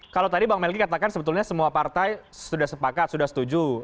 kalau tadi bang melki katakan sebetulnya semua partai sudah sepakat sudah setuju